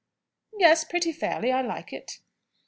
"Yes; pretty fairly. I like it."